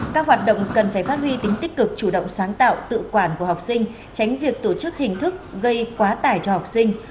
các hoạt động cần phải phát huy tính tích cực chủ động sáng tạo tự quản của học sinh tránh việc tổ chức hình thức gây quá tải cho học sinh